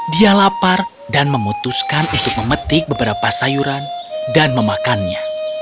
dia lapar dan memutuskan untuk memetik beberapa sayuran dan memakannya